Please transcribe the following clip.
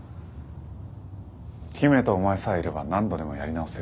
姫とお前さえいれば何度でもやり直せる。